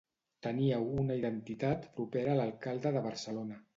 Teníeu una identitat propera a l'alcalde de Barcelona.